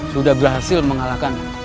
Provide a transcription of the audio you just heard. sudah berhasil mengalahkan